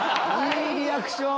いいリアクション！